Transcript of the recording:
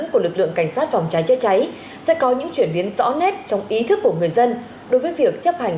của lực lượng cảnh sát phòng cháy chữa cháy sẽ có những chuyển biến rõ nét trong ý thức của người dân đối với việc chấp hành